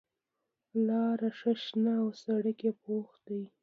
لاره ښه شنه او سړک یې پوخ دی.